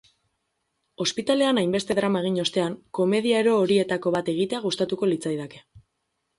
Ospitalean hainbeste drama egin ostean, komedia ero horietako bat egitea gustatuko litzaidake.